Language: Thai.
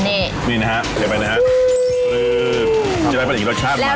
นี่นะครับเหลือไปนะครับ